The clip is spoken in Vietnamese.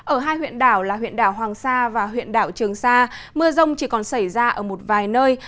ở hai huyện đảo là huyện đảo hoàng sa và huyện đảo trường sa mưa rông chỉ còn xảy ra ở một vài nơi